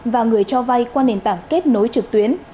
và người cho vay qua nền tảng kết nối trực tuyến